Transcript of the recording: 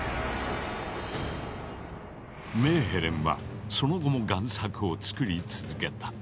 メーヘレンはその後も贋作を作り続けた。